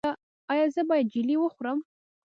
ایا زه باید جیلې وخورم؟